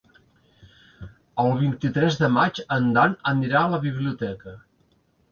El vint-i-tres de maig en Dan anirà a la biblioteca.